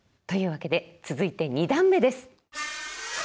というわけで続いて二段目です。